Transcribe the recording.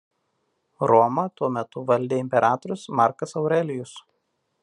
Romą tuo metu valdė imperatorius Markas Aurelijus.